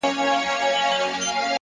• تاوېده لكه زمرى وي چا ويشتلى,